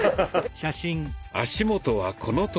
足元はこのとおり。